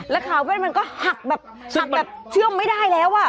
แล้วขาวแว่นมันก็หักแบบเชื่อมไม่ได้แล้ว